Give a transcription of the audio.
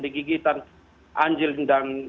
digigitan anjing dan